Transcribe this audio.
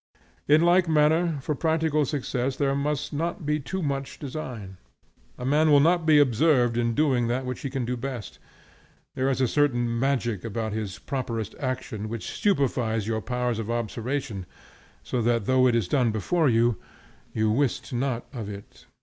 In like manner, for practical success, there must not be too much design. A man will not be observed in doing that which he can do best. There is a certain magic about his properest action which stupefies your powers of observation, so that though it is done before you, you wist not of it.